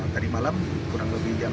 tadi malam kurang lebih jam tiga